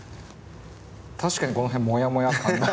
確かにこの辺もやもや感が。